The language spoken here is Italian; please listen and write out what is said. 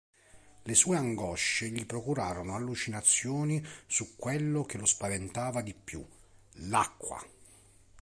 Le sue angosce gli procurano allucinazioni su quello che lo spaventa di più: l'acqua.